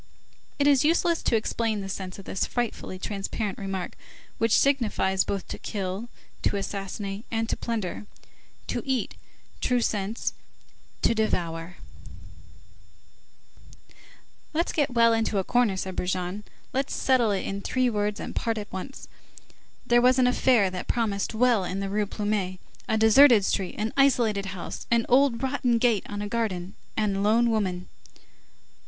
It is useless to explain the sense of this frightfully transparent remark, which signifies both to kill, to assassinate, and to plunder. To eat, true sense: to devour. "Let's get well into a corner," said Brujon. "Let's settle it in three words, and part at once. There was an affair that promised well in the Rue Plumet, a deserted street, an isolated house, an old rotten gate on a garden, and lone women."